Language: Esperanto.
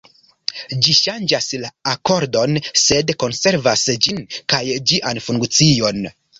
Ĝi ŝanĝas la akordon, sed konservas ĝin kaj ĝian funkcion.